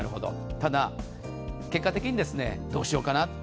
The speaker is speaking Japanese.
ただ、結果的にどうしようかな。